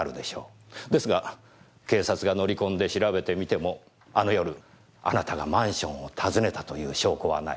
ですが警察が乗り込んで調べてみてもあの夜あなたがマンションを訪ねたという証拠はない。